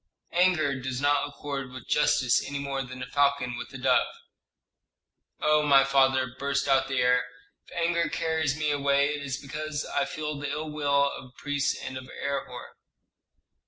Anger does not accord with justice any more than a falcon with a dove." "Oh, my father," burst out the heir, "if anger carries me away, it is because I feel the ill will of the priests and of Herhor."